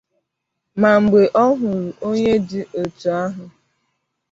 Ma mgbe ọ hụrụ onye dị etu ahụ